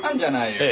ええ。